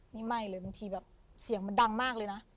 นี่ไม่เลยบางทีแบบเสียงมันดังมากเลยนะ